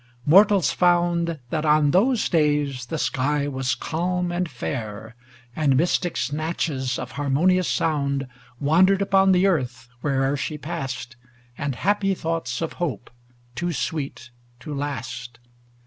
Mortals found That on those days the sky was calm and fair, And mystic snatches of harmonious sound Wandered upon the earth where'er she passed. And happy thoughts of hope, too sweet to last.